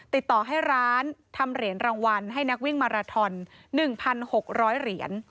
ติดต่อให้ร้านทำเหรียญรางวัลให้นักวิ่งมาราทอน๑๖๐๐เหรียญ